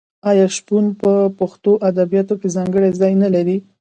آیا شپون په پښتو ادبیاتو کې ځانګړی ځای نلري؟